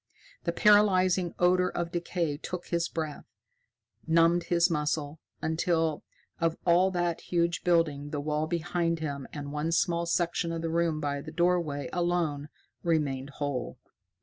The paralyzing odor of decay took his breath, numbed his muscles, until, of all that huge building, the wall behind him and one small section of the room by the doorway alone remained whole.